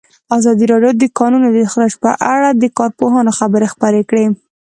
ازادي راډیو د د کانونو استخراج په اړه د کارپوهانو خبرې خپرې کړي.